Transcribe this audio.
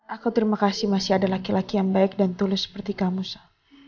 aku terima kasih masih ada laki laki yang baik dan tulus seperti kamu